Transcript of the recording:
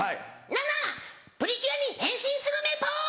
「梨奈プリキュアに変身するメポ！」。